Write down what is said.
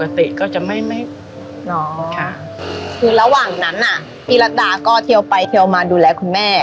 ก็จะไม่ไม่อ๋อค่ะคือระหว่างนั้นอ่ะพี่ระดาก็เทียวไปเทียวมาดูแลคุณแม่